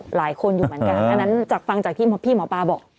หลายคนอยู่เหมือนกันอันนั้นจากฟังจากที่พี่หมอปลาบอก